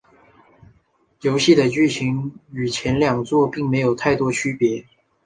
游戏的剧情与前两作并没有太多区别。